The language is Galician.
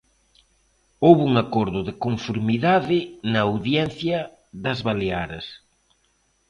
Houbo un acordo de conformidade na Audiencia das Baleares.